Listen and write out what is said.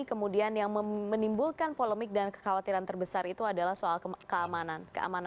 kemudian yang menimbulkan polemik dan kekhawatiran terbesar itu adalah soal keamanan